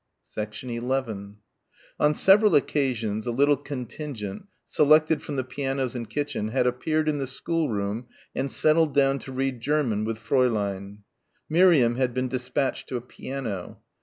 11 On several occasions a little contingent selected from the pianos and kitchen had appeared in the schoolroom and settled down to read German with Fräulein. Miriam had been despatched to a piano.